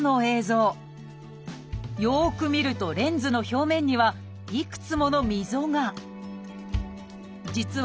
よく見るとレンズの表面にはいくつもの溝が。